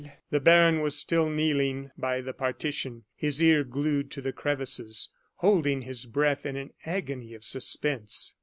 The baron was still kneeling by the partition, his ear glued to the crevices, holding his breath in an agony of suspense.